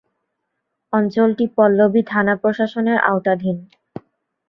অঞ্চলটি পল্লবী থানা প্রশাসনের আওতাধীন।